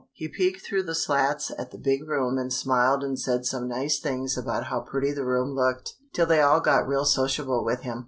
He peeked through the slats at the big room and smiled and said some nice things about how pretty the room looked, till they all got real sociable with him.